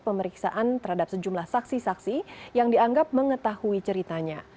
pemeriksaan terhadap sejumlah saksi saksi yang dianggap mengetahui ceritanya